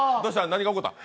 何が起こった？